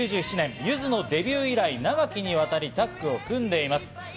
１９９７年、ゆずのデビュー以来、長きにわたりダッグを組んでいます。